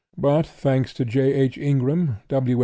But, thanks to J. H. Ingram, W.